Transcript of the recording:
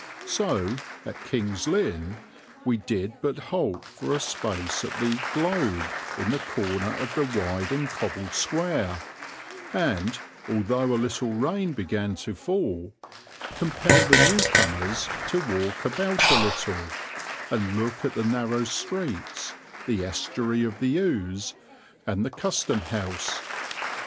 So, at King's Lynn, we did but halt for a space at the "Globe" in the corner of the wide and cobbled square and, although a little rain began to fall, compel the new comers to walk about a little, and look at the narrow streets, the estuary of the Ouse, and the Custom house.